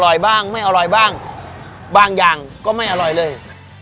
บ้างไม่อร่อยบ้างบางอย่างก็ไม่อร่อยเลย